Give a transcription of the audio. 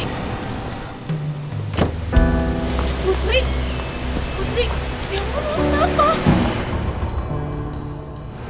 ya ampun lu kenapa